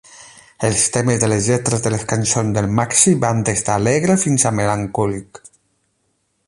Els temes de les lletres de les cançons del Maxi van des d'alegre fins a melancòlic.